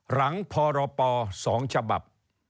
หลังพร๒ฉบับ